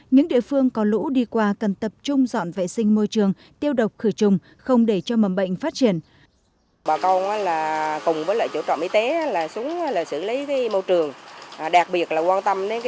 những địa phương có lũ đi qua cần tập trung dọn vệ sinh môi trường tiêu độc khử trùng không để cho mầm bệnh phát triển